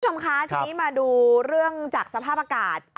คุณผู้ชมคะทีนี้มาดูเรื่องจากสภาพอากาศ